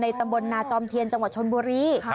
ในตำบลนาจอมเทียนจำวัดชนโบรี